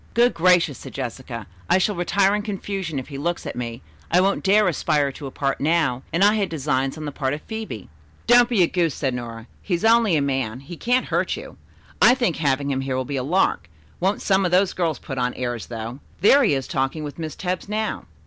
"Good gracious," said Jessica. "I shall retire in confusion if he looks at me. I won't dare aspire to a part now, and I had designs on the part of Phebe." "Don't be a goose," said Nora. "He's only a man. He can't hurt you. I think having him here will be a lark. Won't some of those girls put on airs, though. There he is talking with Miss Tebbs now."